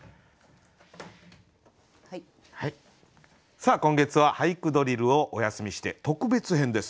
さあ今月は「俳句ドリル」をお休みして特別編です。